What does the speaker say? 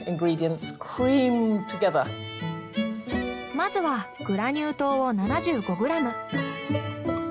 まずはグラニュー糖を７５ｇ。